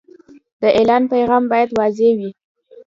د اعلان پیغام باید واضح وي.